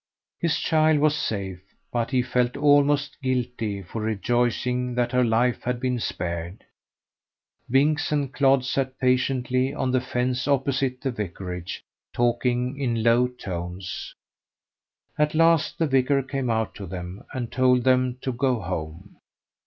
His child was safe, but he felt almost guilty for rejoicing that her life had been spared. Binks and Clodd sat patiently on the fence opposite the vicarage talking in low tones. At last the vicar came out to them and told them to go home.